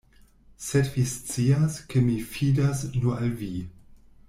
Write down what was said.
Sed vi scias, ke mi fidas nur al vi.